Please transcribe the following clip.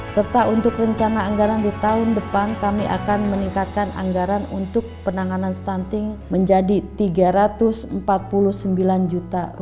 serta untuk rencana anggaran di tahun depan kami akan meningkatkan anggaran untuk penanganan stunting menjadi rp tiga ratus empat puluh sembilan juta